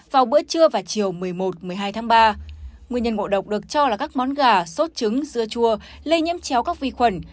vào bữa trưa và chiều một mươi một một mươi hai tháng ba nguyên nhân ngộ độc được cho là các món gà sốt trứng dưa chua lây nhiễm chéo các vi khuẩn